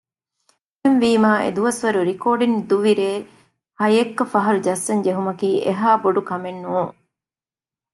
އެހެންވީމާ އެދުވަސްވަރުގެ ރެކޯޑިންގ ދުވި ރޭ ހަޔެއްކަފަހަރު ޖައްސަން ޖެހުމަކީ އެހާ ބޮޑުކަމެއް ނޫން